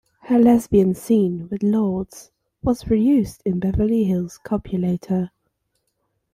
Her lesbian scene with Lords was reused in "Beverly Hills Copulator".